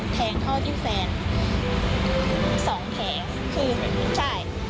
แทงเขาด้วยแฟน๒แทงคือใช่